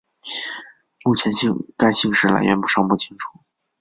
目前该姓氏来源尚不清楚。